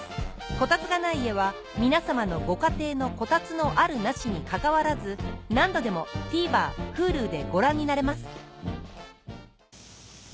『コタツがない家』は皆さまのご家庭のコタツのあるなしにかかわらず何度でもＴＶｅｒＨｕｌｕでご覧になれます